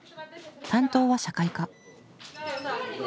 担当は社会科。